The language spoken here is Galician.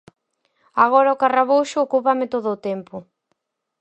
Agora o Carrabouxo ocúpame todo o tempo.